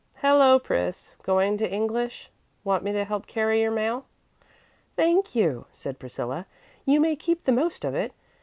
"Hello, Pris; going to English? Want me to help carry your mail?" "Thank you," said Priscilla; "you may keep the most of it.